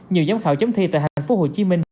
nhiều giám khảo chấm thi tại thành phố hồ chí minh